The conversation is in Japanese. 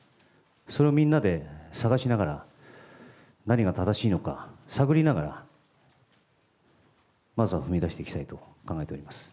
それをみんなで探しながら、何が正しいのか探りながら、まずは踏み出していきたいと考えております。